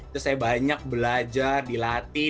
terus saya banyak belajar dilatih